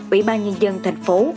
ủy ban nhân dân thành phố